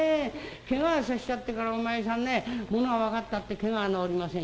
けがさせちゃってからお前さんねものが分かったってけがは治りませんよ。